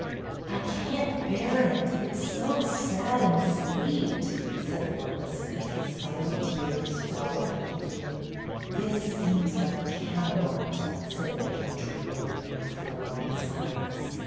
" I can't bear it ; it 's so sad and sweet," said Lois, as the silent tears fell unheeded. " 7 'his seems like Camelot," said Betty, dreamily, after a long silence.